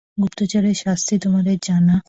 গুপ্তচরের শাস্তি তোমাদের জানা।